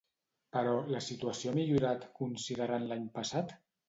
Però, la situació ha millorat considerant l'any passat?